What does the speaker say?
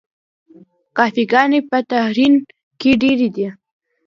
کافې ګانې په تهران کې ډیرې دي.